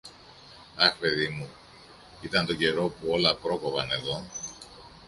Αχ, παιδί μου, ήταν τον καιρό που όλα πρόκοβαν εδώ!